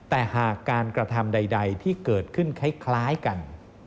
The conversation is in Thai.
แต่หากการกระทำใดที่เกิดขึ้นคล้ายกัน